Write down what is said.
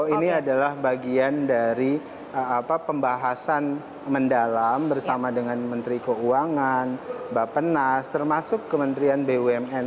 ini adalah bagian dari pembahasan mendalam bersama dengan menteri keuangan bapak penas termasuk kementerian bumn